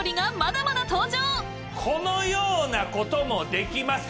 このようなこともできます。